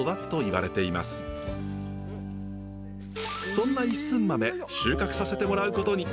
そんな一寸豆収穫させてもらうことに。